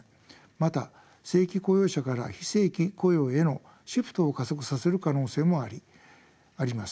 また正規雇用者から非正規雇用へのシフトを加速させる可能性もあります。